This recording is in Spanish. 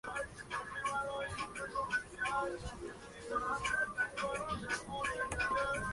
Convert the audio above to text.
Impartió clases de química orgánica en la Escuela de Química de la Universidad Motolinía.